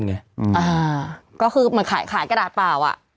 วันนี้ขายกระดาษหรือ